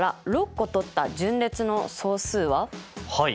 はい。